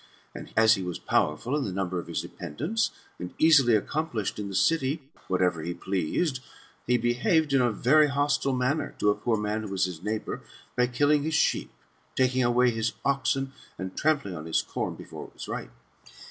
And, as he was powerful in the number of his dependents, and easily accomplished in the city whatever he pleased, he behaved in a very hostile manner to a poor man, who was his neighbour, by killing his sheep, taking away his oxen, and trampling on his corn before it was ripe.